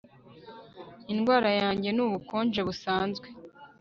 indwara yanjye ni ubukonje busanzwe